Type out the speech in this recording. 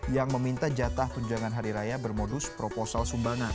yang meminta jatah tunjangan hari raya bermodus proposal sumbangan